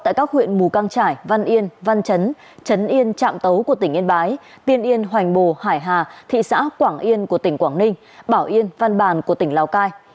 tại các huyện mù căng trải văn yên văn chấn trấn yên trạm tấu của tỉnh yên bái tiên yên hoành bồ hải hà thị xã quảng yên của tỉnh quảng ninh bảo yên văn bàn của tỉnh lào cai